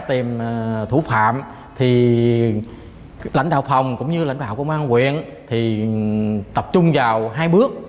tìm thủ phạm thì lãnh đạo phòng cũng như lãnh đạo công an quyện thì tập trung vào hai bước